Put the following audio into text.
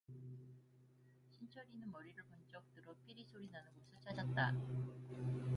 신철이는 머리를 번쩍 들어 피리 소리 나는 곳을 찾았다.